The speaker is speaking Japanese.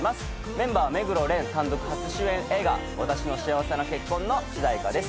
メンバー目黒蓮単独初主演映画『わたしの幸せな結婚』の主題歌です。